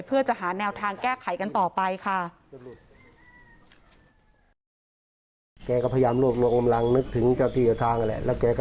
เพื่อจะหาแนวทางแก้ไขกันต่อไปค่ะ